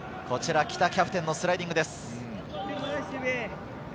こちら北キャプテンのスライディングです。